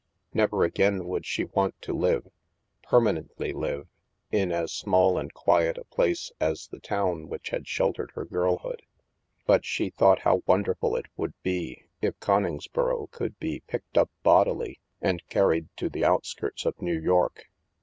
Never again would she want to live, permanently live, in as small and quiet a place as the town which had sheltered her girlhood. But she thought how wonderful it would be if Coningsboro could be picked up bodily, and carried to the outskirts of New York.